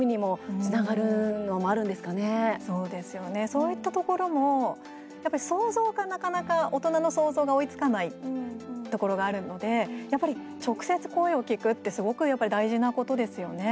そういったところもやっぱり大人の想像が追いつかないところがあるのでやっぱり直接、声を聴くってすごくやっぱり大事なことですよね。